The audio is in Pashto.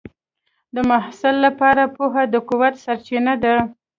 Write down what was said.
د محصل لپاره پوهه د قوت سرچینه ده.